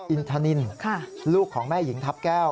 อินทนินลูกของแม่หญิงทัพแก้ว